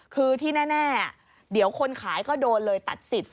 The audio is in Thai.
คือที่แน่เดี๋ยวคนขายก็โดนเลยตัดสิทธิ